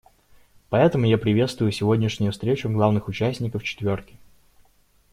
Поэтому я приветствую сегодняшнюю встречу главных участников «четверки».